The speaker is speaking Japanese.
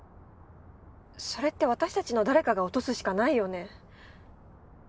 それって私たちの誰かが落とすしかないよね。